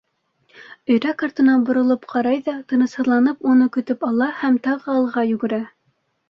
Өйрәк артына боролоп ҡарай ҙа тынысһыҙланып уны көтөп ала һәм тағы алға йүгерә.